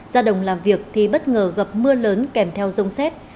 ra đồng làm việc thì bất ngờ gặp mưa lớn kèm theo rông xét